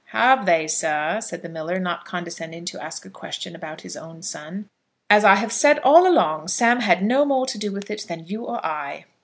"Have they, sir?" said the miller, not condescending to ask a question about his own son. "As I have said all along, Sam had no more to do with it than you or I."